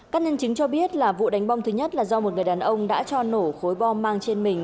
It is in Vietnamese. các nhân chứng cho biết là vụ đánh bom thứ nhất là do một người đàn ông đã cho nổ khối bom mang trên mình